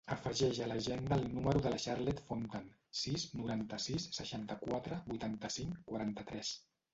Afegeix a l'agenda el número de la Charlotte Fontan: sis, noranta-sis, seixanta-quatre, vuitanta-cinc, quaranta-tres.